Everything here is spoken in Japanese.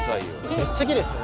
めっちゃきれいですよね。